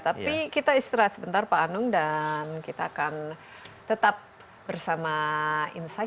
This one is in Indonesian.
tapi kita istirahat sebentar pak anung dan kita akan tetap bersama insight